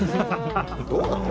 どうなの？